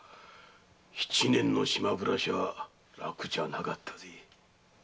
七年の島暮らしは楽じゃなかった。